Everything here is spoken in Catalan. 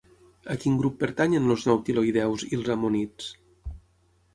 A quin grup pertanyen els nautiloïdeus i els ammonits?